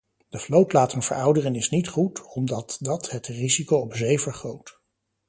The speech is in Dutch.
De vloot laten verouderen is niet goed, omdat dat het risico op zee vergroot.